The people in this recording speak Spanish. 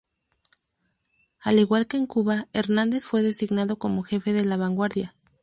Al igual que en Cuba, Hernández fue designado como jefe de la vanguardia.